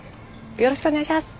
よろしくお願いします。